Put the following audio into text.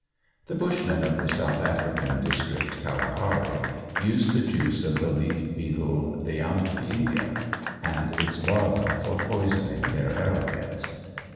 The bushmen of the South African district "Kalahari," use the juice of the leaf beetle "diamphidia" and its larva for poisoning their arrow heads.